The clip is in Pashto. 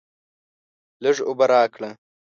لږ اوبه راکړه.